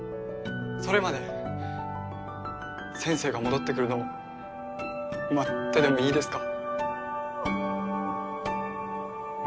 それまで先生が戻ってくるのを待っててもいいですか？